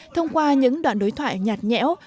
thông qua những đoạn đối thoại nhạt nhẽo